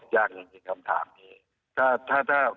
ยังไงครับเค้ามาเจอตอนหลังผมตอบยากในคำถามนี้